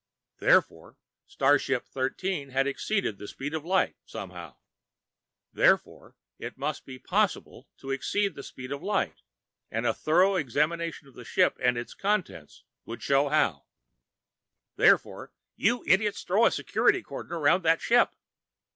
Therefore, starship Thirteen had exceeded the speed of light somehow. Therefore, it was possible to exceed the speed of light, and a thorough examination of the ship and its contents would show how. Therefore.... You idiots, throw a security cordon around that ship!